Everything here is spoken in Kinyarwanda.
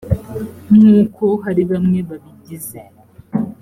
nk uko hari bamwe babigize